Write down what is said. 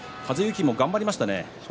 城も頑張りましたね。